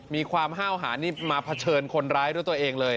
มีความห้าวหานี่มาเผชิญคนร้ายด้วยตัวเองเลย